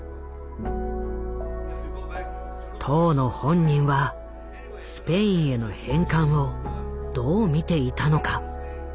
当の本人はスペインへの返還をどう見ていたのか。